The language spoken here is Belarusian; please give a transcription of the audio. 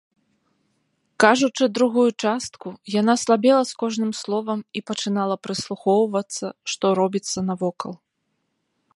Кажучы другую частку, яна слабела з кожным словам і пачынала прыслухоўвацца, што робіцца навокал.